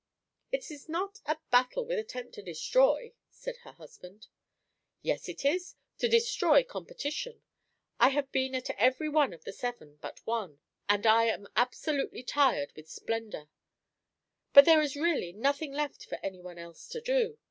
"It is not a battle with attempt to destroy," said her husband. "Yes, it is to destroy competition. I have been at every one of the seven but one and I am absolutely tired with splendour. But there is really nothing left for any one else to do.